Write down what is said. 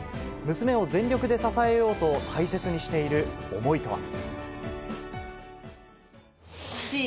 娘を全力で支えようと大切にしている思いとは。